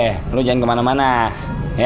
wah kalau begini terus bener bener cepet kaya gue